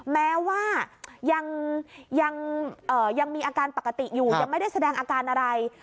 แม้ว่ายังมีอาการปกติอยู่ยังไม่ได้แสดงอาการอะไร